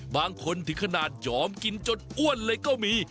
บางคนถึงขนาดยอมกินจนอ้วนเลยก็มี